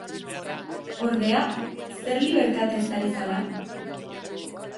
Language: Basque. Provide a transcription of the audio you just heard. Ordea, zer libertatez ari zara?